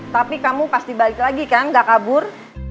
tapi kamu pas dibalik lagi kan gak kabur